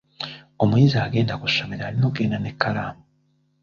Omuyizi agenda ku ssomero alina okugenda n’ekkalaamu.